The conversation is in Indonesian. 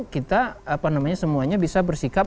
kita semuanya bisa bersikap